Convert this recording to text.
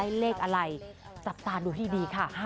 ๕อีกแล้วทุกคน๕ค่ะ